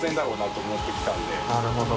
なるほど。